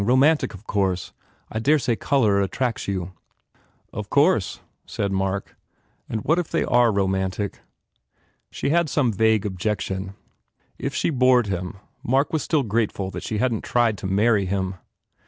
Romantic, of course. I dare say the colour attracts you." "Of course," said Mark, "and what if they are romantic?" She had some vague objection. If she bored him, Mark was still grateful that she hadn t tried to marry him.